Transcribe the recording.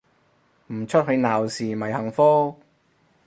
唔出去鬧事咪幸福